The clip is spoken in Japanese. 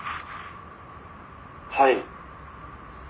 「はい」